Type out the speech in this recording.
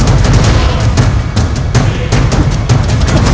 sepuluh tahun sejak ketemuan kita